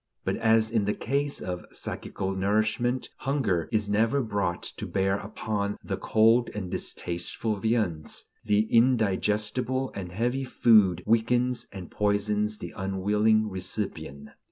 But as in the case of psychical nourishment hunger is never brought to bear upon the "cold and distasteful viands," the indigestible and heavy food weakens and poisons the unwilling recipient.